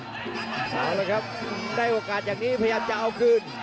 แล้วเลยครับได้โอกาสอันนี้พยายามจะเอาคืน